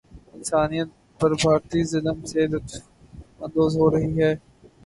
انسانیت پر بھارتی ظلم سے لطف اندوز ہورہی ہے